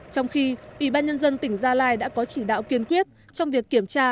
trong khi ủy ban nhân dân tỉnh gia lai đã có chỉ đạo kiên quyết trong việc kiểm tra